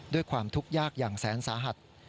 ด้วยความทุกข์ยากอย่างแสนสาหัส